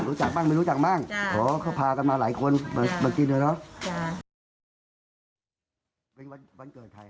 รู้จักบ้างไม่รู้จักบ้างขอเขาพากันมาหลายคนมากินเลยเนาะ